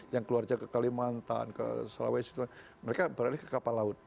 yang keluarga ke kalimantan ke sulawesi mereka beralih ke kapal laut